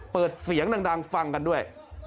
เปิดเสียงดังฟังกันด้วย